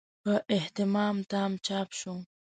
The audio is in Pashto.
په اهتمام تام چاپ شو.